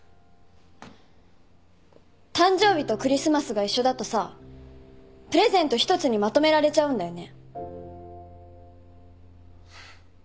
誕生日とクリスマスが一緒だとさプレゼント一つにまとめられちゃうんだよね。